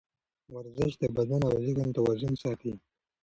ورزش د بدن او ذهن توازن ساتي.